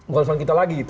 bukan urusan kita lagi